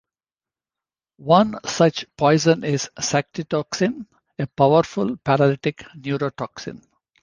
One such poison is saxitoxin, a powerful paralytic neurotoxin.